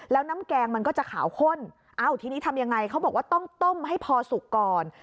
แล้วน้ำแกงมันก็จะขาวข้นเอ้าทีนี้ทำยังไงเขาบอกว่าต้องต้มให้พอสุกก่อน